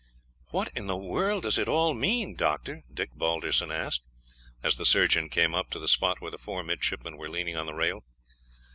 "What in the world does it all mean, Doctor?" Dick Balderson asked, as the surgeon came up to the spot where the four midshipmen were leaning on the rail.